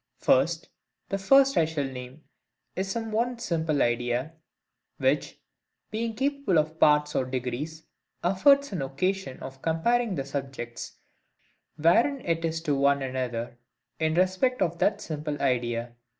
First, The first I shall name is some one simple idea, which, being capable of parts or degrees, affords an occasion of comparing the subjects wherein it is to one another, in respect of that simple idea, v.